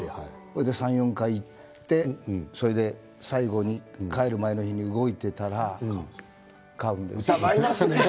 ３、４回行って、それで最後に帰る前の日に動いていたら買うんですよ。